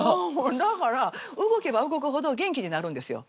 だから動けば動くほど元気になるんですよ。